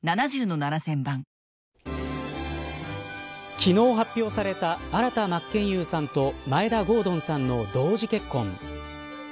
昨日、発表された新田真剣佑さんと眞栄田郷敦さんの同時結婚。